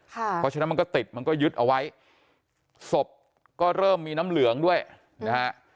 เพราะฉะนั้นมันก็ติดมันก็ยึดเอาไว้ศพก็เริ่มมีน้ำเหลืองด้วยนะฮะ